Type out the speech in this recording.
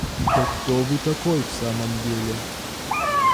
Да кто вы такой, в самом деле?